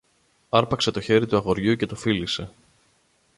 άρπαξε το χέρι του αγοριού και το φίλησε.